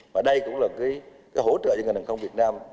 và đây cũng là cái hỗ trợ cho ngàn hàng hàng không việt nam